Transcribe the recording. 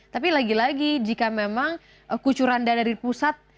tapi lagi lagi jika memang kucuranda dari pusat